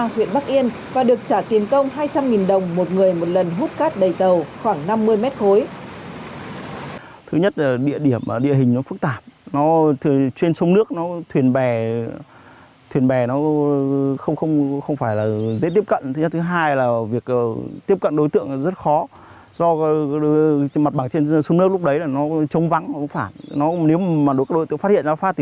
huyện bắc yên và được trả tiền công hai trăm linh đồng một người một lần hút cát đầy tàu khoảng năm mươi m khối